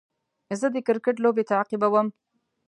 زه د کرکټ لوبې تعقیبوم.